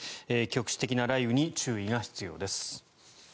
局地的な雷雨に注意が必要です。